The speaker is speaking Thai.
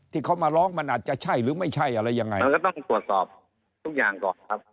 ที่เขามาร้องมันอาจจะใช่หรือไม่ใช่อะไรยังไงมันก็ต้องตรวจสอบทุกอย่างก่อนครับ